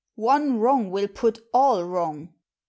—one wrong will put all wrong."